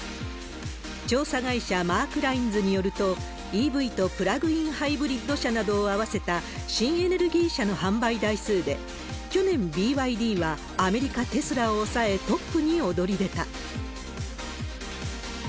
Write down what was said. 調査会社、マークラインズによると、ＥＶとプラグインハイブリッド車などを合わせた新エネルギー車の販売台数で、去年、ＢＹＤはアメリカ・テスラを抑え、トップに躍り出た。